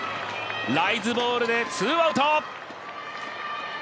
ライズボールで、ツーアウト！